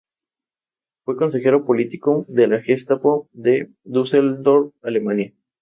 El fuerte se encuentra en buen estado de conservación.